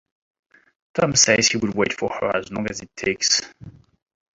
Tom says he will wait for her as long as it takes.